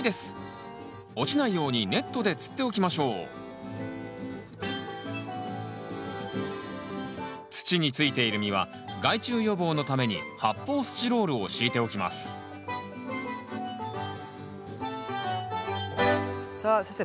落ちないようにネットでつっておきましょう土についている実は害虫予防のために発泡スチロールを敷いておきますさあ先生